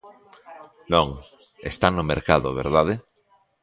Non, están no mercado, ¿verdade?